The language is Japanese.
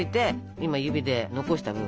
今指で残した部分。